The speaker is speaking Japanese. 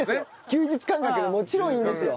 休日感覚でもちろんいいんですよ